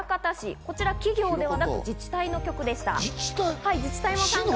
こちら、企業ではなく自治体でした。